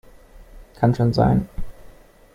Kann schon sein.